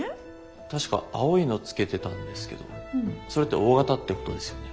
確か青いの着けてたんですけどそれってＯ型ってことですよね？